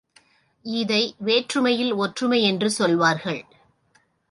இதை வேற்றுமையில் ஒற்றுமை என்று சொல்வார்கள்.